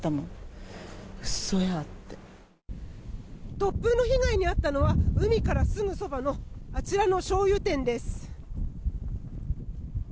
突風の被害に遭ったのは海からすぐそばのあちらのしょうゆ店です。